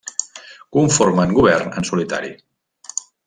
Conformen govern en solitari.